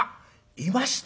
いました！